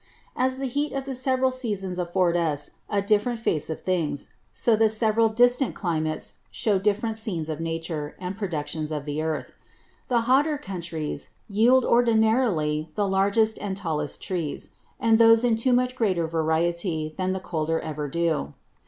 As the Heat of the several Seasons affords us a different Face of Things; so the several distant Climates shew different Scenes of Nature, and Productions of the Earth. The Hotter Countries yield ordinarily the largest and tallest Trees; and those in too much greater variety than the colder ever do.